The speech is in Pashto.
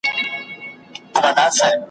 په دې ښار کي د وګړو « پردی غم نیمی اختر دی» ,